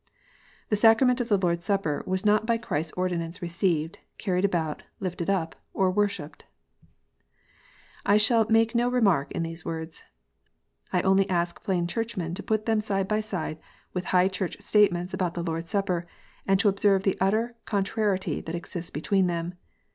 " The Sacrament of the Lord s Supper was not by Christ s ordinance received, carried about, lifted up, or worshipped." I shall make no remark on these words. I only ask plain Churchmen to put them side by side with High Church state ments about the Lord s Supper, and to observe the utter con trariety that exists between them.